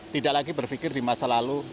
tidak lagi berpikir di masa lalu